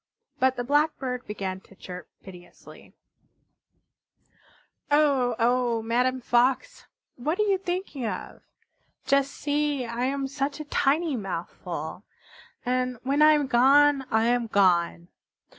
But the Blackbird began to chirp piteously: "Oh, oh, Madame Fox! What are you thinking of? Just see, I am such a tiny mouthful! And when I am gone I am gone.